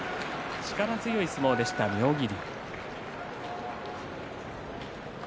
力強い相撲でした妙義龍。